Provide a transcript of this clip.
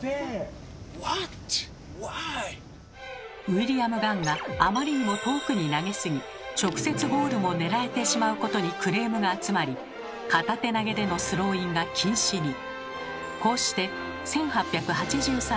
ウィリアム・ガンがあまりにも遠くに投げすぎ直接ゴールも狙えてしまうことにクレームが集まり片手投げでのスローインが禁止に。